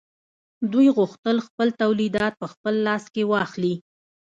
دوی غوښتل ټول تولید په خپل لاس کې واخلي